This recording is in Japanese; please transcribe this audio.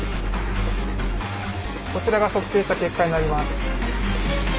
こちらが測定した結果になります。